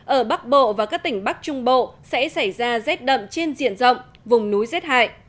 ở bắc bộ và các tỉnh bắc trung bộ sẽ xảy ra rét đậm trên diện rộng vùng núi rét hại